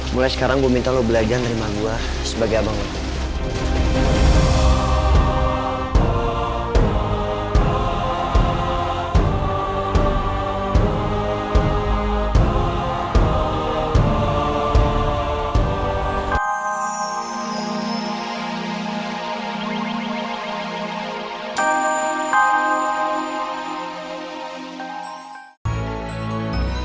mulai sekarang gue minta lo belajar nerima gue sebagai abang lo